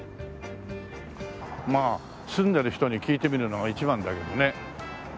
まあ住んでる人に聞いてみるのが一番だけどね。